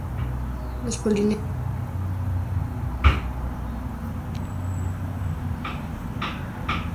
Los polinesios fueron organizados en cacicazgos menores.